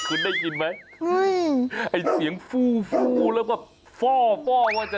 คืนได้กินมั้ยไอ๋เสียงฟู่แล้วก็ฟ่อฟ่อว่าจะ